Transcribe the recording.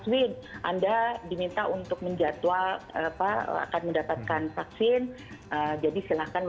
bahwa nah misalnya mas aswin anda diminta untuk menjatuhkan apa akan mendapatkan vaksin